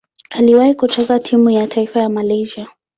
Aliwahi kucheza timu ya taifa ya Malaysia.